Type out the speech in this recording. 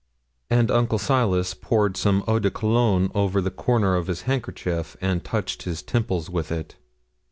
And Uncle Silas poured some eau de cologne over the corner of his handkerchief, and touched his temples with it.